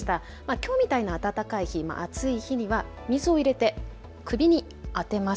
きょうみたいに暖かい日、暑い日には水を入れて首に当てます。